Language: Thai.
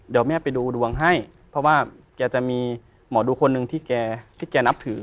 เดี๋ยวแม่ไปดูดวงให้เพราะว่าแกจะมีหมอดูคนหนึ่งที่แกที่แกนับถือ